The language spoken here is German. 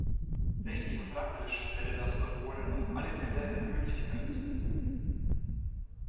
Rechtlich und praktisch wäre das doch wohl auf alle Fälle eine Möglichkeit?